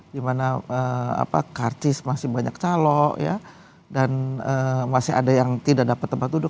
dimana apa kartis masih banyak calok ya dan masih ada yang tidak dapat tempat duduk